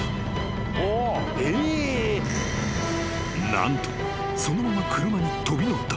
［何とそのまま車に飛び乗った］